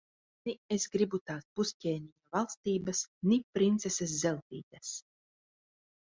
Ni es gribu tās pusķēniņa valstības, ni princeses Zeltītes.